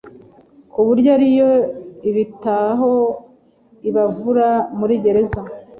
kuburyo ari yo ibitaho ibavura.murigereza